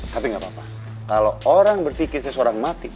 tapi gak apa apa kalau orang berpikir seseorang mati